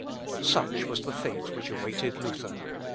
Such was the fate which awaited Luther.